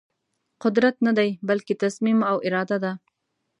قدرت ندی بلکې تصمیم او اراده ده.